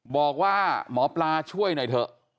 บอกว่าหมอปลาช่วยหน่อยเถอะ